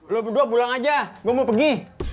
lo berdua pulang aja gue mau pergi